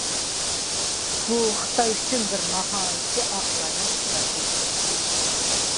بۇ خىتاي ئۈچۈن بىر ناھايىتى ئاقىلانە ئىستراتېگىيە.